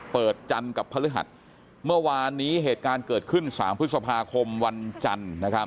จันทร์กับพฤหัสเมื่อวานนี้เหตุการณ์เกิดขึ้น๓พฤษภาคมวันจันทร์นะครับ